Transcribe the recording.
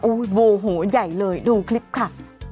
โอ้โหโมโหใหญ่เลยดูคลิปค่ะ